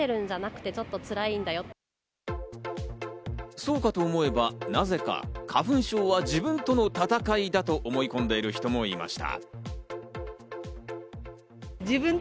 そうかと思えば、なぜか花粉症は自分との闘いだと思い込んでいる人もいました。